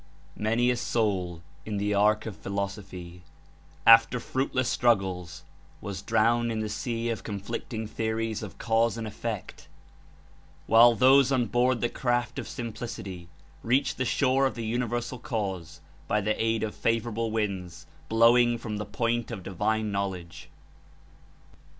''Many a soul in the ark of philosophy , after fruitless struggles, was drowned in the sea of con flicting theories of cause and effect, while those on board the craft of simplicity reached the shore of the Universal Cause by the aid of favorable winds blowing from the Point of Divine Knowledge.